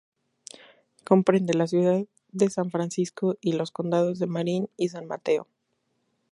Comprende la ciudad de San Francisco y los condados de Marin y San Mateo.